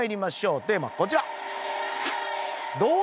テーマこちら。